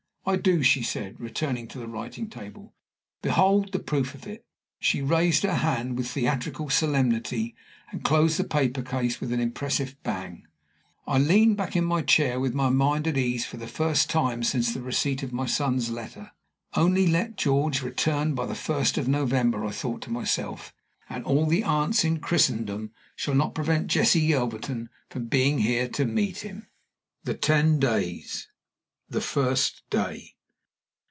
"I do," she said, returning to the writing table. "Behold the proof of it." She raised her hand with theatrical solemnity, and closed the paper case with an impressive bang. I leaned back in my chair with my mind at ease for the first time since the receipt of my son's letter. "Only let George return by the first of November," I thought to myself, "and all the aunts in Christendom shall not prevent Jessie Yelverton from being here to meet him." THE TEN DAYS. THE FIRST DAY.